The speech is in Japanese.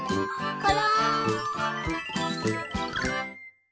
これ！